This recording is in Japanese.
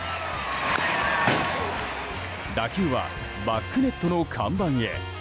打球はバックネットの看板へ。